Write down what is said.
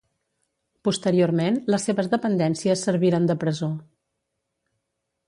Posteriorment les seves dependències serviren de presó.